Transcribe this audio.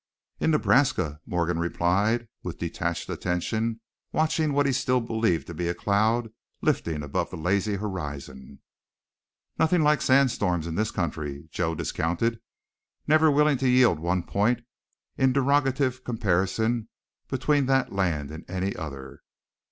"In Nebraska," Morgan replied, with detached attention, watching what he still believed to be a cloud lifting above the hazy horizon. "Nothin' like the sand storms in this country," Joe discounted, never willing to yield one point in derogative comparison between that land and any other.